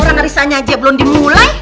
orang risanya aja belum dimulai